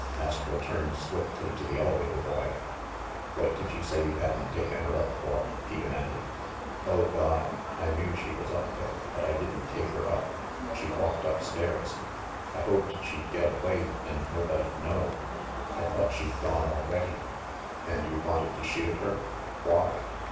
Astro turned swiftly to the elevator boy. "What did you say you hadn't taken her up for?" lie de manded. "Oh, God ! I knew she was up there ; but I didn't take her up ; she walked up stairs. I hoped she'd get away and nobody'd know. I thought she'd gone al ready." "And you wanted to shield her? Why?"